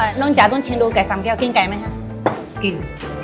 อ่าน้องจ๋าต้นชิงดูไก่สำแก้วกินไก่ไหมฮะกิน